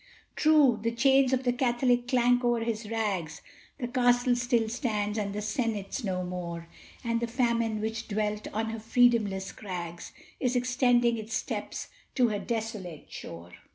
True, the chains of the Catholic clank o'er his rags; The castle still stands, and the senate's no more; And the famine which dwelt on her freedomless crags Is extending its steps to her desolate shore.